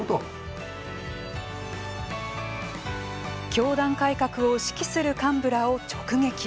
教団改革を指揮する幹部らを直撃。